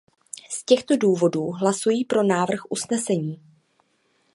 Z těchto důvodů hlasuji pro návrh usnesení.